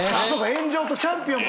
炎上とチャンピオンも。